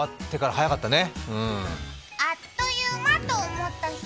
悪かったね。